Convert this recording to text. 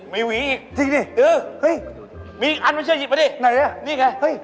มีหวีอีกมีอีกอันมันช่วยหยิบมาดินี่ไง